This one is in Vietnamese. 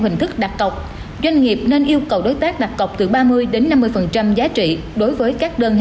hình thức đặt cọc doanh nghiệp nên yêu cầu đối tác đặt cọc từ ba mươi đến năm mươi giá trị đối với các đơn